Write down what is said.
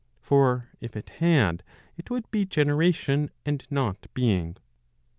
For if it had, it would be generation, and not being.